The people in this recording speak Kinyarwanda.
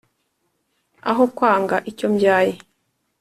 Aho kwanga icyo mbyaye